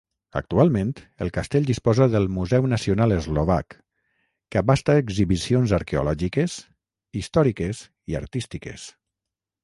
Actualment, el castell disposa del Museu Nacional Eslovac, que abasta exhibicions arqueològiques, històriques i artístiques.